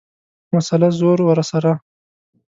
مسئله ، زور ورسره.